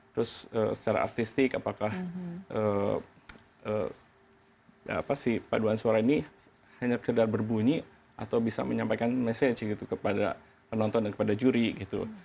terus secara artistik apakah si paduan suara ini hanya sekedar berbunyi atau bisa menyampaikan message gitu kepada penonton dan kepada juri gitu